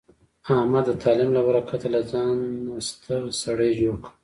احمد د تعلیم له برکته له ځانه ستر سړی جوړ کړ.